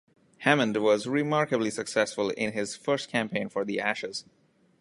Hammond was remarkably successful in his first campaign for The Ashes.